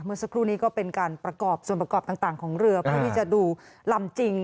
เมื่อสักครู่นี้ก็เป็นการประกอบส่วนประกอบต่างของเรือเพื่อที่จะดูลำจริง